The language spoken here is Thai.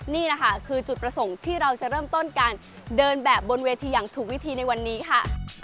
นี่แหละค่ะคือจุดประสงค์ที่เราจะเริ่มต้นการเดินแบบบนเวทีอย่างถูกวิธีในวันนี้ค่ะ